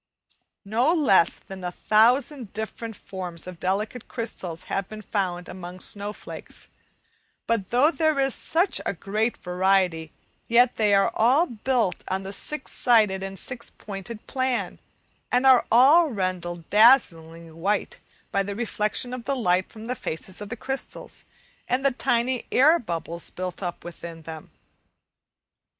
No less than a thousand different forms of delicate crystals have been found among snowflakes, but though there is such a great variety, yet they are all built on the six sided and six pointed plan, and are all rendered dazzlingly white by the reflection of the light from the faces of the crystals and the tiny air bubbles built up within them.